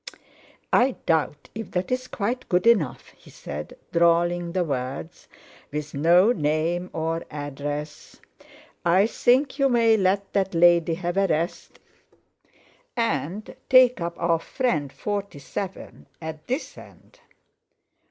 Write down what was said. "I doubt if that's quite good enough," he said, drawling the words, "with no name or address. I think you may let that lady have a rest, and take up our friend 47 at this end."